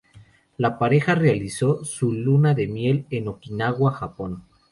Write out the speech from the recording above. La pareja realizó su luna de miel en Okinawa, Japón.